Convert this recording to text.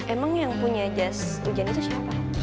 emang yang punya jas hujan itu siapa